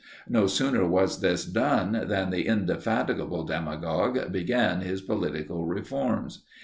No sooner was this done, than the indefatigable demagogue began his political reforms.